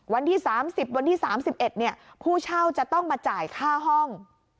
วันที่๓๐วันที่๓๑ผู้เช่าจะต้องมาจ่ายค่าห้อง